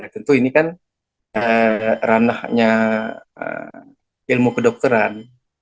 tentu ini kan ranahnya ilmu kedokteran